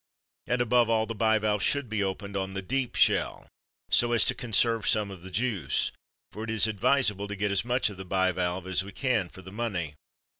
And above all, the bivalves should be opened on the deep shell, so as to conserve some of the juice; for it is advisable to get as much of the bivalve as we can for the money.